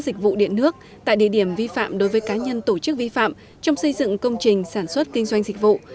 dịch vụ điện nước tại địa điểm vi phạm đối với cá nhân tổ chức vi phạm trong xây dựng công trình sản xuất kinh doanh dịch vụ